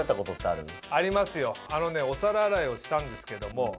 あのねお皿洗いをしたんですけども。